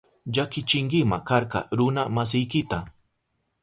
Llakichinkima karka runa masiykita.